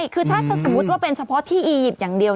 คือถ้าสมมุติว่าเป็นเฉพาะที่อียิปต์อย่างเดียว